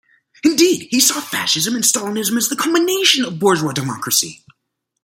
Indeed, he saw Fascism and Stalinism as the culmination of bourgeois democracy.